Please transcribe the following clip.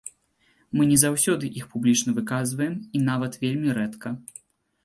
Мы не заўсёды іх публічна выказваем, і нават вельмі рэдка.